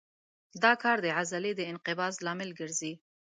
دا کار د عضلې د انقباض لامل ګرځي.